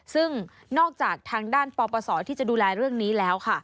ซึ่งนอกจากทางด้านปปศที่จะดูแลเรื่องนี้แล้วค่ะ